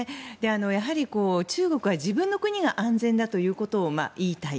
やはり中国は自分の国が安全だということを言いたい。